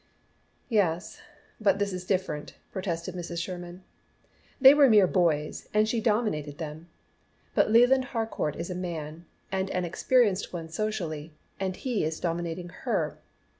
"Yes, but this is different," protested Mrs. Sherman. "They were mere boys, and she dominated them, but Leland Harcourt is a man, and an experienced one socially, and he is dominating her.